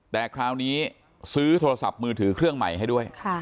แต่คราวนี้ซื้อโทรศัพท์มือถือเครื่องใหม่ให้ด้วย